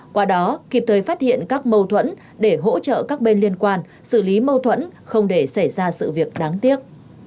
qua đó kịp thời phát hiện các mâu thuẫn để hỗ trợ các bên liên quan xử lý mâu thuẫn không để xảy ra sự việc đáng tiếc